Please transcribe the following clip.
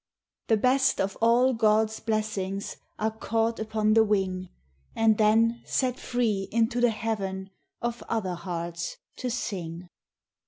The best of all God's blessings Are caught upon the wing, And then set free into the heaven Of other hearts, to sing.